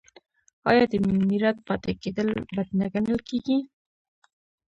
آیا د میرات پاتې کیدل بد نه ګڼل کیږي؟